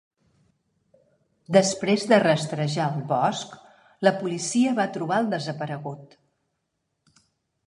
Després de rastrejar el bosc, la policia va trobar el desaparegut.